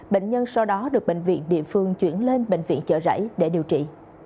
bệnh nhân sau đó được bệnh viện địa phương chuyển lên bệnh viện chợ rẫy để điều trị